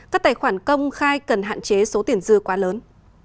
các tài khoản công khai cần hạn chế số tiền dư quá lớn